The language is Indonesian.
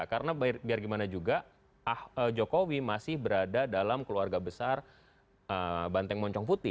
karena biar gimana juga jokowi masih berada dalam keluarga besar banteng moncong putih